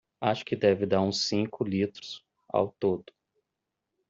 Acho que deve dar uns cinco litros ao todo